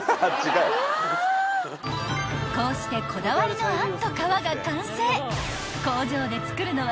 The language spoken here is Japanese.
［こうしてこだわりのあんと皮が完成］